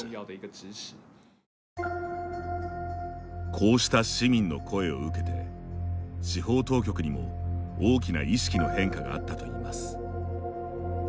こうした市民の声を受けて司法当局にも大きな意識の変化があったといいます。